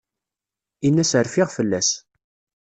Ini-as rfiɣ fell-as.